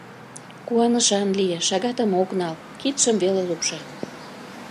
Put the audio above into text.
Куанышан лие, шагатым ок нал, кидшым веле лупша...